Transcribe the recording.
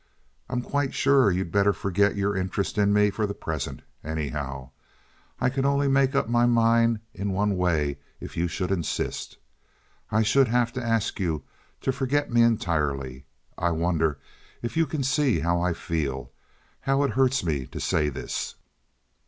I'm quite sure you'd better forget your interest in me for the present anyhow. I could only make up my mind in one way if you should insist. I should have to ask you to forget me entirely. I wonder if you can see how I feel—how it hurts me to say this?"